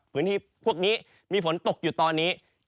พื้นที่พวกนี้มีฝนตกอยู่ตอนนี้เดี๋ยวไปดูกันหน่อยครับ